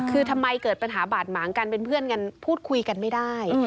คือทำไมเกิดปัญหาบาดหมางกันเป็นเพื่อนกันพูดคุยกันไม่ได้